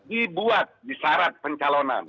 dibuat di syarat pencalonan